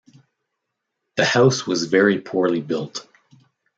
The house was very poorly built.